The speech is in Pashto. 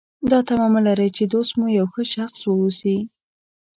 دا تمه مه لرئ چې دوست مو یو ښه شخص واوسي.